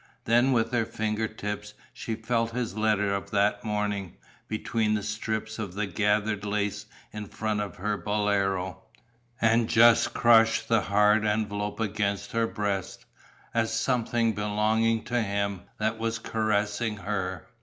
Then with her finger tips she felt his letter of that morning, between the strips of gathered lace in front of her bolero, and just crushed the hard envelope against her breast, as something belonging to him that was caressing her.